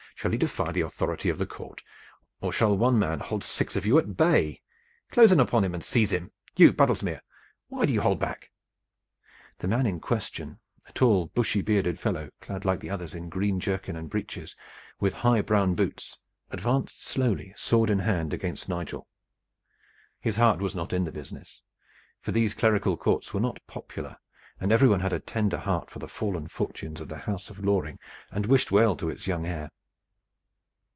"Shall he defy the authority of the court, or shall one man hold six of you at bay? Close in upon him and seize him. You, Baddlesmere, why do you hold back?" The man in question, a tall bushy bearded fellow, clad like the others in green jerkin and breeches with high brown boots, advanced slowly, sword in hand, against Nigel. His heart was not in the business, for these clerical courts were not popular, and everyone had a tender heart for the fallen fortunes of the house of Loring and wished well to its young heir.